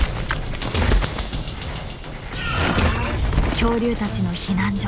恐竜たちの避難所